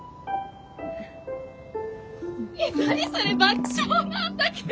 何それ爆笑なんだけど。